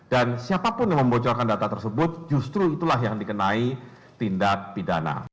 dan siapapun yang membocorkan data tersebut justru itulah yang dikenai tindak pidana